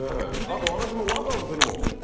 私もうワクワクするもん。